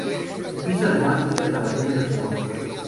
Hizo además muchas grabaciones a su nombre.